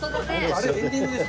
あれエンディングでしたよ。